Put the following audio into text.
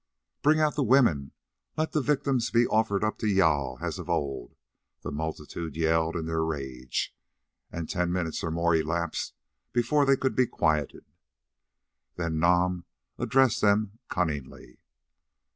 "Bring out the women! Let the victims be offered up to Jâl as of old," the multitude yelled in their rage, and ten minutes or more elapsed before they could be quieted. Then Nam addressed them cunningly.